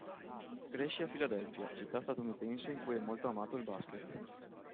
Cresce a Filadelfia, città statunitense in cui è molto amato il basket.